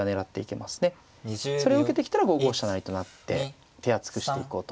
それを受けてきたら５五飛車成と成って手厚くしていこうと。